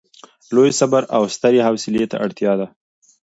لوی صبر او سترې حوصلې ته اړتیا ده.